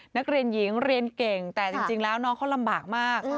นักเรียนหญิงเรียนเก่งแต่จริงแล้วน้องเขาลำบากมาก